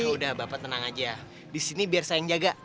yaudah bapak tenang aja disini biar saya yang jaga